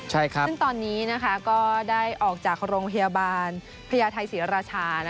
ซึ่งตอนนี้ก็ได้ออกจากโรงพยาบาลพญาไทยศรีราชา